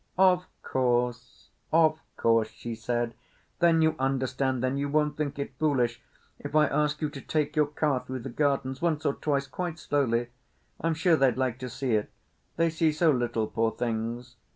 "Of course, of course," she said. "Then you understand. Then you won't think it foolish if I ask you to take your car through the gardens, once or twice—quite slowly. I'm sure they'd like to see it. They see so little, poor things.